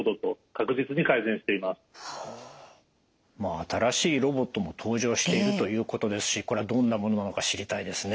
新しいロボットも登場しているということですしこれはどんなものなのか知りたいですね。